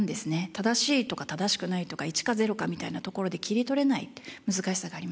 正しいとか正しくないとか１か０かみたいなところで切り取れない難しさがありますので。